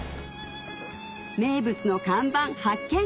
名物の看板発見